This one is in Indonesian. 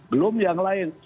belum yang lain